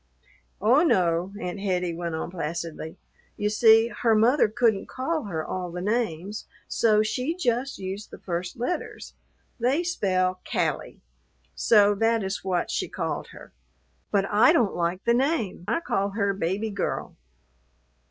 "Oh, no," Aunt Hettie went on placidly; "you see, her mother couldn't call her all the names, so she just used the first letters. They spell Callie; so that is what she called her. But I don't like the name. I call her Baby Girl."